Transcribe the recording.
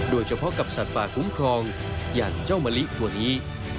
โดยเฉพาะกับสัตว์ป่าคุ้มครองอย่างเจ้ามะลิตัวนี้